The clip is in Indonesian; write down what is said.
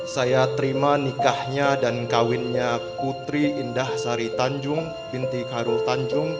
saya terima nikahnya dan kawinnya putri indah sari tanjung binti khairul tanjung